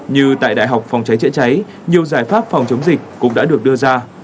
như tại đại học phòng cháy chữa cháy nhiều giải pháp phòng chống dịch cũng đã được đưa ra